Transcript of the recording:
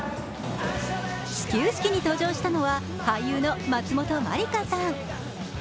始球式に登場したのは、俳優の松本まりかさん。